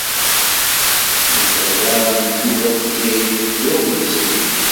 Msebḍan Yuba d Tiziri ddurt yezrin.